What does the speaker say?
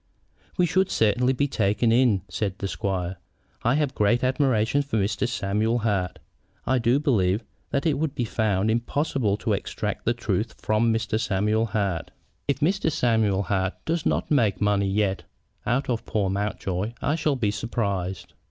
"We should certainly be taken in," said the squire. "I have great admiration for Mr. Samuel Hart. I do believe that it would be found impossible to extract the truth from Mr. Samuel Hart. If Mr. Samuel Hart does not make money yet out of poor Mountjoy I shall be surprised."